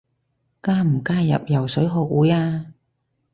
加唔加入游水學會啊？